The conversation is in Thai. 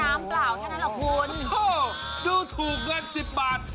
โอ้โฮดูถูกเงิน๑๐บาท